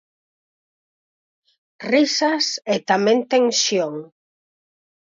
Risas e tamén tensión.